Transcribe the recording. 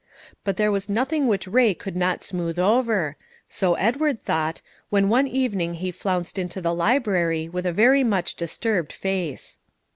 But there was nothing which Ray could not smooth over, so Edward thought, when one evening he flounced into the library with a very much disturbed face.